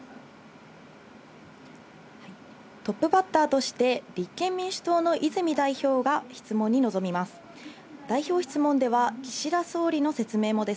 トップバッターとして、立憲民主党の泉代表が質問に臨みます。